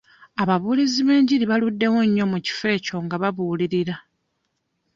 Ababuulizi b'enjiri baluddewo nnyo mu kifo ekyo nga babuulirira.